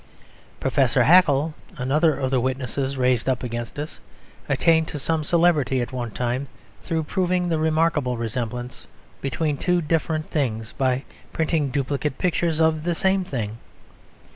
Professor Haeckel, another of the witnesses raised up against us, attained to some celebrity at one time through proving the remarkable resemblance between two different things by printing duplicate pictures of the same thing.